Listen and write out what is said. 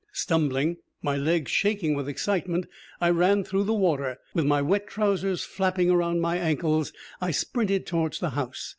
Stumbling, my legs shaking with excitement, I ran through the water. With my wet trousers flapping against my ankles, I sprinted towards the house.